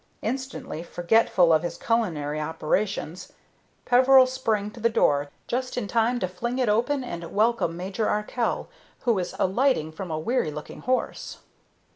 Instantly forgetful of his culinary operations, Peveril sprang to the door, just in time to fling it open and welcome Major Arkell, who was alighting from a weary looking horse.